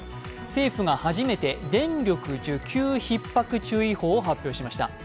政府が初めて電力需給ひっ迫注意報を発表しました。